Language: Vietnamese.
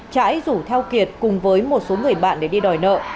trãi rủ theo kiệt cùng với một số người bạn để đi đòi nợ